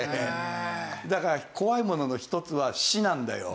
だから怖いものの一つは死なんだよ。